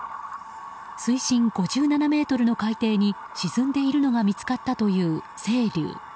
水深５７ｍの海底に沈んでいるのが見つかったという「せいりゅう」。